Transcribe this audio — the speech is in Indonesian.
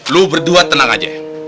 lo berdua tenang aja